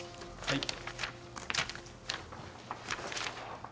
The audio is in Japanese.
はい。